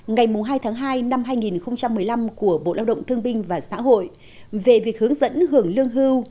ngày hai tháng hai năm hai nghìn một mươi năm của bộ lao động thương binh và xã hội về việc hướng dẫn hưởng lương hưu